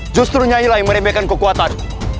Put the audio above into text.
justru nyailah yang meremehkan kekuatan